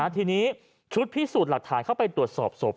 ทีนี้ชุดพิสูจน์หลักฐานเข้าไปตรวจสอบศพ